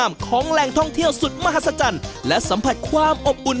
แม่จ้า